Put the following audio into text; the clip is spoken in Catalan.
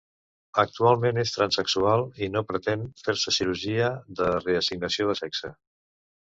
Actualment és transsexual i no pretén fer-se cirurgia de reassignació de sexe.